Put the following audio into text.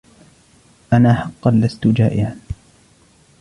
أنا حقاً لستُ جائعاً.